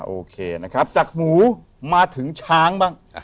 โอเคนะครับจากหมูมาถึงช้างบ้าง